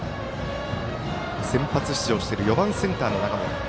先発出場している４番センターの永本。